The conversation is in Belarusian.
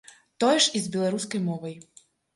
Тое ж і з беларускай мовай.